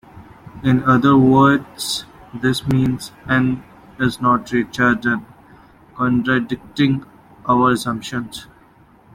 In other words, this means "n" is not Richardian, contradicting our assumption.